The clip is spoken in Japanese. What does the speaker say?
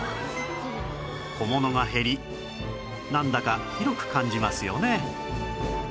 小物が減りなんだか広く感じますよね